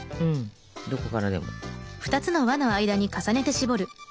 どこからでも。